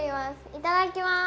いただきます！